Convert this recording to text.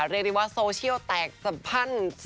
เรียกได้ว่าโซเชียลแตกสะพัด